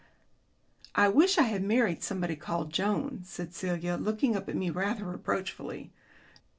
"I wish I had married somebody called Jones," said Celia, looking up at me rather reproachfully.